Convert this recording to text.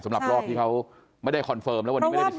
สำหรับรอบที่เขาไม่ได้คอนเฟิร์มแล้ววันนี้ไม่ได้ไป